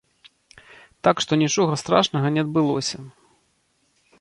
Так што нічога страшнага не адбылося.